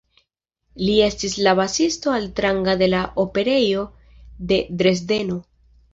Li estis la basisto altranga de la Operejo de Dresdeno.